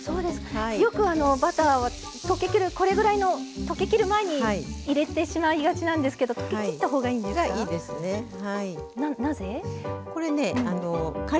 よく、バターはこれぐらいの溶けきる前に入れてしまいがちなんですけど溶けきったほうがいいんですか？